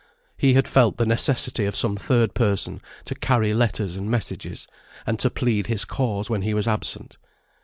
He had felt the necessity of some third person to carry letters and messages, and to plead his cause when he was absent.